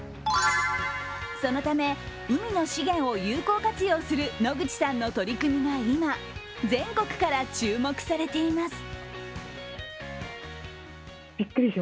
そのため海の資源を有効活用する野口さんの取り組みが今、全国から注目されています。